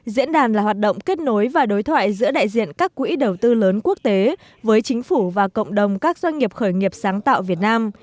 diễn đàn là hoạt động kết nối và đối thoại giữa đại diện các quỹ đầu tư lớn quốc tế với chính phủ và cộng đồng các doanh nghiệp khởi nghiệp sáng tạo việt nam